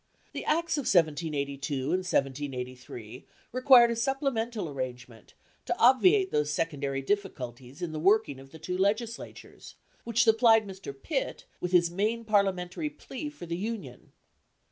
The Acts of 1782 and 1783 required a supplemental arrangement, to obviate those secondary difficulties in the working of the two Legislatures, which supplied Mr. Pitt with his main parliamentary plea for the Union.